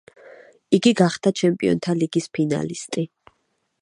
იგი გახდა ჩემპიონთა ლიგის ფინალისტი.